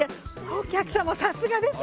お客様さすがです。